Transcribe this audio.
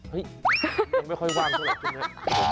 เฮ้ยยังไม่ค่อยว่างเท่าไร